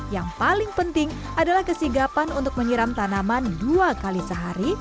yang paling penting adalah kesigapan untuk menyiram tanaman dua kali sehari